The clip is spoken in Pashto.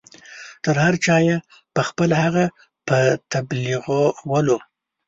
تر هر چا یې پخپله هغه په تبلیغولو.